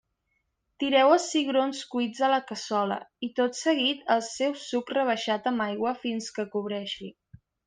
Tireu els cigrons cuits a la cassola, i tot seguit el seu suc rebaixat amb aigua fins que cobreixi.